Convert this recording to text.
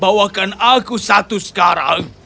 bawakan aku satu sekarang